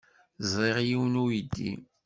Ẓriɣ yiwen n uydi.